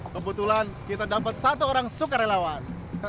kebetulan kita dapat satu orang sukarelawan